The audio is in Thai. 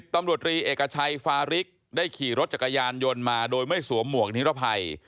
ตำรวจรีเอกชัยฟาริกได้ขี่รถจักรยานยนต์มาโดยไม่สวมหมวกนิรภัย